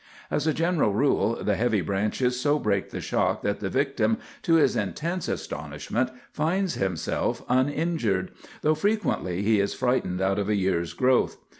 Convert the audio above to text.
As a general rule, the heavy branches so break the shock that the victim, to his intense astonishment, finds himself uninjured; though frequently he is frightened out of a year's growth.